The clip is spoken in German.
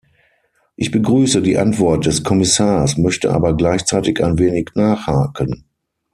Ich begrüße die Antwort des Kommissars, möchte aber gleichzeitig ein wenig nachhaken.